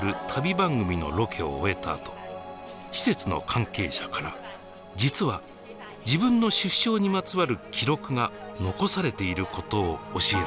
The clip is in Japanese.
番組のロケを終えたあと施設の関係者から実は自分の出生にまつわる記録が残されていることを教えられたのです。